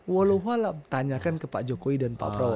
walau walau tanyakan ke pak jokowi dan pak prabowo